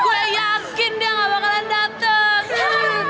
gue yakin dia gak bakalan datang